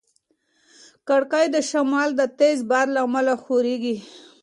کړکۍ د شمال د تېز باد له امله ښورېږي.